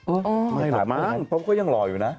เออไม่เหลือบมั้งเพราะก็ยังรออยู่นะ